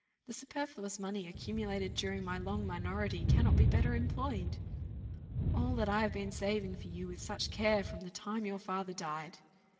The superfluous money accumulated during my long minority cannot be better employed." "All that I have been saving for you with such care from the time your father died!"